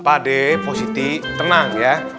pade positi tenang ya